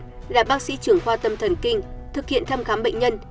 là bác sĩ trưởng khoa tâm thần kinh thực hiện thăm khám bệnh nhân